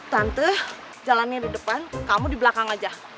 tante jalannya di depan kamu di belakang aja